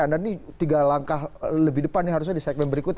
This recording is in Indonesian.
anda ini tiga langkah lebih depan nih harusnya di segmen berikutnya